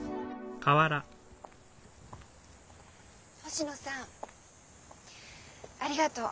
星野さんありがとう。